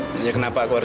kamu juga cari duit